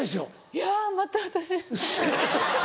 いやまた私。